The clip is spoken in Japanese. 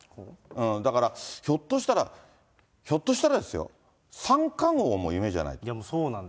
だからひょっとしたら、ひょっとしたらですよ、三冠王も夢じゃない。